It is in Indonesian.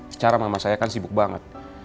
secara mama saya kan sibuk banget